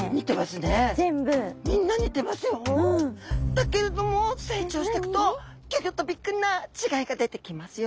だけれども成長していくとギョギョッとびっくりな違いが出てきますよ。